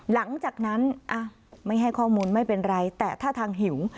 หลังจากนั้นไม่ให้ข้อมูลไม่เป็นไรแต่ท่าทางหิว